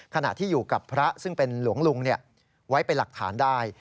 ขณะที่อยู่กับพระซึ่งเป็นหลวงลุงไว้เป็นหลักฐานได้